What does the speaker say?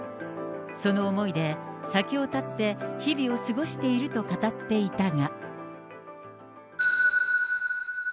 その思いで、酒を断って、日々を過ごしていると語っていたが。